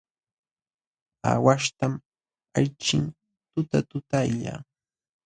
Aawaśhtam ayćhin tutatutalla.